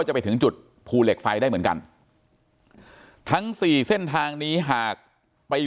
จะไปถึงจุดภูเหล็กไฟได้เหมือนกันทั้งสี่เส้นทางนี้หากไป